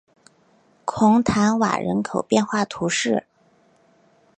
孔坦瓦人口变化图示